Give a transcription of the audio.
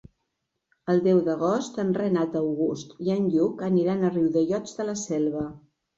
El deu d'agost en Renat August i en Lluc aniran a Riudellots de la Selva.